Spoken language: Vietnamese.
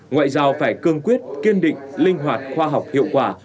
ngoại giao phải cương quyết kiên định linh hoạt khoa học hiệu quả